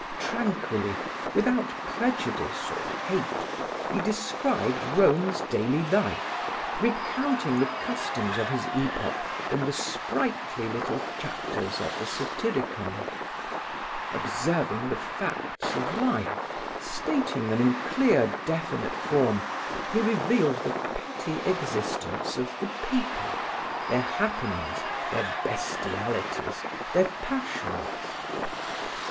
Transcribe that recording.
Tranquilly, without prejudice or hate, he described Rome's daily life, recounting the customs of his epoch in the sprightly little chapters of the Satyricon. Observing the facts of life, stating them in clear, definite form, he revealed the petty existence of the people, their happenings, their bestialities, their passions.